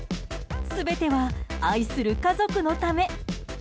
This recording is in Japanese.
全ては愛する家族のため。